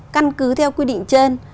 căn cứ theo quy định trên